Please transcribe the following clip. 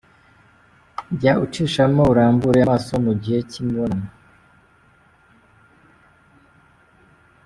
Jya ucishamo urambure amaso mu gihe cy’imibonano.